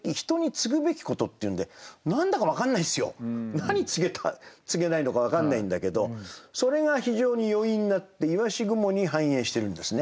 何告げた告げないのか分かんないんだけどそれが非常に余韻になって鰯雲に反映してるんですね。